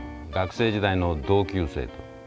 学生時代の同級生と。